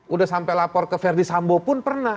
udah sampai lapor ke verdi sambo pun pernah